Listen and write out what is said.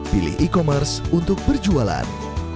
pilih e commerce untuk berjualan